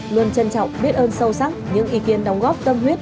luôn trân trọng biết ơn sâu sắc những ý kiến đóng góp tâm huyết